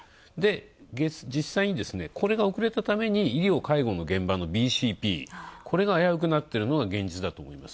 で、実際に、これが遅れたために医療・介護のＢＣＰ、これが危うくなっているのが現実。